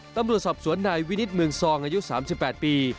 ตำรวจสอบสวนนายวินิตเมืองซองอายุ๓๘ปี